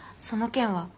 その件は。